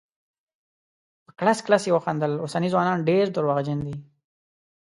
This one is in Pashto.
په کړس کړس یې وخندل: اوسني ځوانان ډير درواغجن دي.